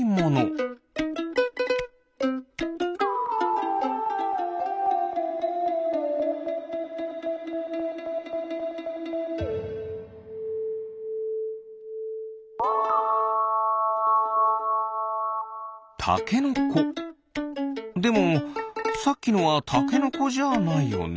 でもさっきのはタケノコじゃないよね。